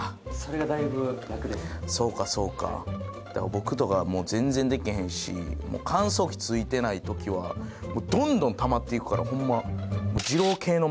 僕とかは全然できへんし乾燥機付いてない時はどんどんたまっていくからホンマ。